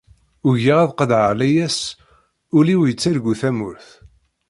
Ugiɣ ad qeḍɛeɣ layas, ul-iw yettargu tamurt.